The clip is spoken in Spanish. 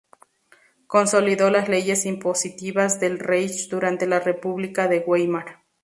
Consolidó las leyes impositivas del Reich durante la República de Weimar.